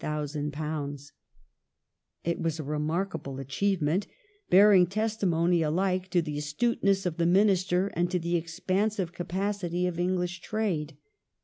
^ It was a remarkable achievement, bearing testimony alike to the astuteness of the Minister and to the expansive capacity of English trade.